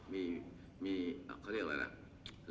มีเขาเรียกอะไรล่ะ